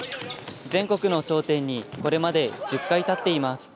全国の頂点にこれまで１０回立っています。